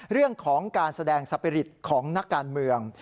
เรื่องของการแสดงสปริตของนักการเมือง